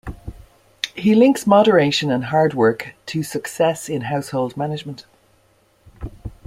He links moderation and hard work to success in household management.